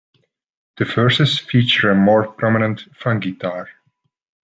The verses feature a more prominent funk guitar.